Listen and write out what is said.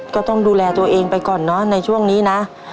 ก็ต้องดูแลตัวเองไปก่อนเนอะในช่วงนี้นะ